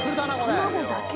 卵だけ？